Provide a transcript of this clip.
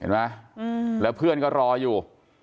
เห็นไหมแล้วเพื่อนก็รออยู่